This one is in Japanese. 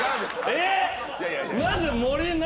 えっ！？